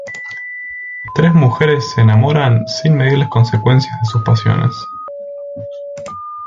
Tres mujeres se enamoran sin medir las consecuencias de sus pasiones.